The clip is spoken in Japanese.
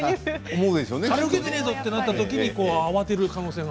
ウケてねえぞと思ったときに慌てる可能性が。